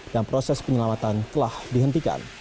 dan proses penyelamatan telah dihentikan